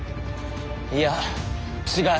いや違う。